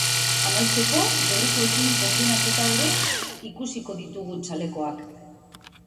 Amaitzeko, gerrikoekin konbinatuta ere ikusiko ditugu txalekoak.